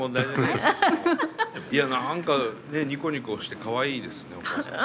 いや何かねニコニコしてかわいいですねお母さん。